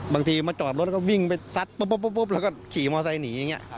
บางทีมาจอดรถก็วิ่งไปซัดปุ๊บแล้วก็ขี่มอเซอร์นี่อย่างเงี้ย